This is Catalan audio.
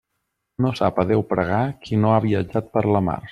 No sap a Déu pregar qui no ha viatjat per la mar.